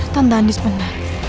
tante andis benar